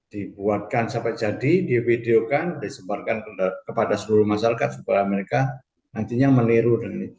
dibuatkan sampai jadi divideokan disebarkan kepada seluruh masyarakat supaya mereka nantinya meniru